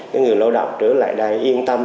cái người lao động trở lại đây yên tâm